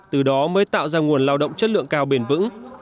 từ đó mới tạo ra nguồn lao động chất lượng cao bền vững